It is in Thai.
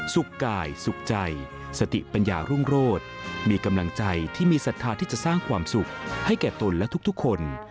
กายสุขใจสติปัญญารุ่งโรธมีกำลังใจที่มีศรัทธาที่จะสร้างความสุขให้แก่ตนและทุกคน